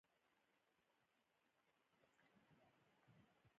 کرکټ د روغتیا له پاره هم ګټور دئ.